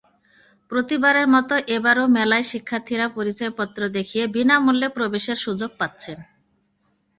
প্রতিবারের মতো এবারও মেলায় শিক্ষার্থীরা পরিচয়পত্র দেখিয়ে বিনামূল্যে প্রবেশের সুযোগ পাচ্ছেন।